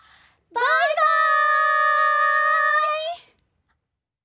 バイバイ！